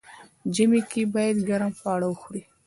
ژمی کی باید ګرم خواړه وخوري.